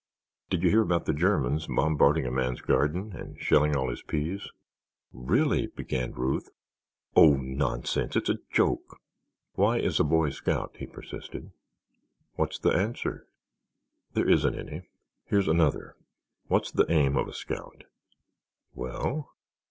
"Did you hear about the Germans bombarding a man's garden and shelling all his peas?" "Really—" began Ruth. "Oh, nonsense, it's a joke!" "Why is a boy scout?" he persisted. "What's the answer?" "There isn't any. Here's another. What's the aim of a scout?" "Well?"